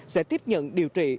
sẽ tiếp nhận điều trị